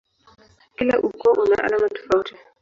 Kila ukoo una alama tofauti.